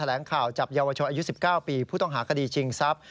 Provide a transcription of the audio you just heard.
ลงข่าวจับเยาวชนอายุ๑๙ปีผู้ต้องหาคดีชิงทรัพย์